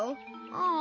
ああ。